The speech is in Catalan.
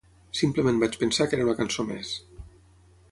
Simplement vaig pensar que era una cançó més.